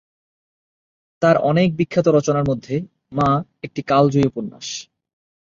তার অনেক বিখ্যাত রচনার মধ্যে 'মা' একটি কালজয়ী উপন্যাস।